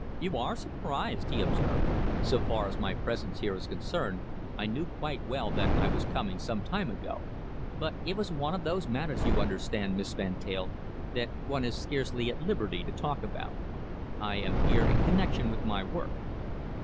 "You are surprised," he observed. "So far as my presence here is concerned, I knew quite well that I was coming some time ago, but it was one of those matters, you understand, Miss Van Teyl, that one is scarcely at liberty to talk about. I am here in connection with my work."